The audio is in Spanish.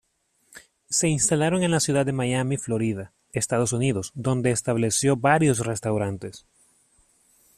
Se instalaron en la ciudad de Miami, Florida, Estados Unidos, donde estableció varios restaurantes.